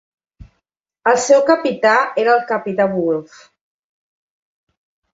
El seu capità era el capità Wulff.